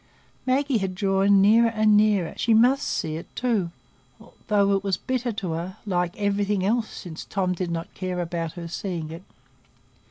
Maggie had drawn nearer and nearer; she must see it too, though it was bitter to her, like everything else, since Tom did not care about her seeing it.